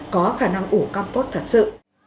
có khả năng ủ compost thật sự